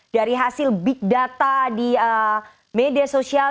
dari hasil big data di media sosial